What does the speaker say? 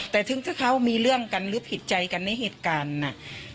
แต่ถึงถ้าเขามีเรื่องกันหรือผิดใจกันในเหตุการณ์น่ะ